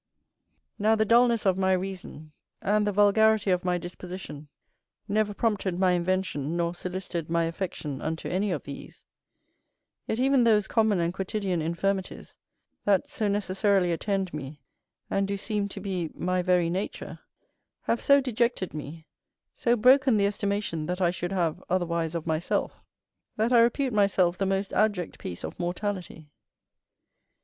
Now the dulness of my reason, and the vulgarity of my disposition, never prompted my invention nor solicited my affection unto any of these; yet even those common and quotidian infirmities that so necessarily attend me, and do seem to be my very nature, have so dejected me, so broken the estimation that I should have otherwise of myself, that I repute myself the most abject piece of mortality.